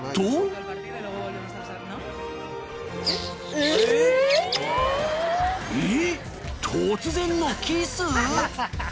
ええっ、突然のキス。